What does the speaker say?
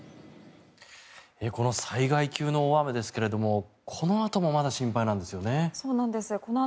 この災害級の大雨ですけどもこのあともまだ心配なんですよね。